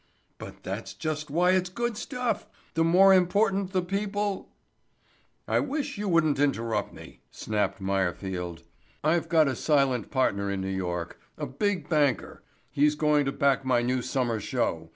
"But that's just why it's good stuff! The more important the people——" "I wish you wouldn't interrupt me," snapped Meyerfield. "I've got a silent partner in New York—a big banker—he's going to back my new summer show.